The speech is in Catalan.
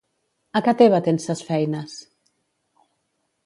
A ca teva tens ses feines!